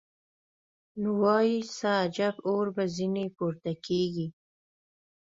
نو وای څه عجب اور به ځینې پورته کېږي.